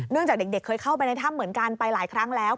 จากเด็กเคยเข้าไปในถ้ำเหมือนกันไปหลายครั้งแล้ว